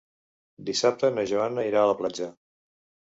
Dissabte na Joana irà a la platja.